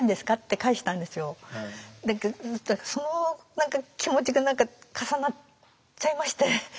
その気持ちが何か重なっちゃいまして。